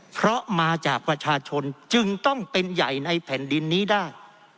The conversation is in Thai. เพราะมาจากประชาชนจึงต้องเป็นใหญ่ในแผ่นดินนี้ได้